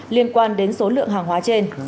liên quan đến số lượng hàng hóa trên